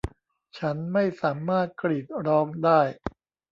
ฉันไม่สามารถกรีดร้องได้